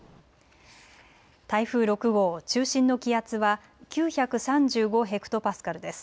台風６号、中心の気圧は９３５ヘクトパスカルです。